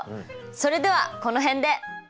それではこの辺で！